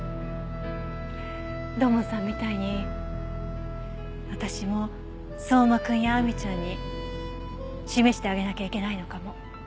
土門さんみたいに私も相馬くんや亜美ちゃんに示してあげなきゃいけないのかも。